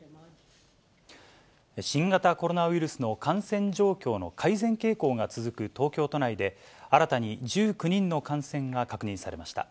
新型コロナウイルスの感染状況の改善傾向が続く東京都内で、新たに１９人の感染が確認されました。